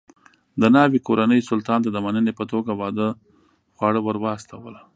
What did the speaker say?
د ناوې کورنۍ سلطان ته د مننې په توګه واده خواړه ور واستول.